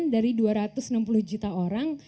dari dua ratus enam puluh juta orang